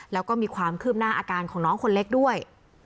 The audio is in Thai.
แล้วก็มีความคืบหน้าอาการของน้องคนเล็กด้วย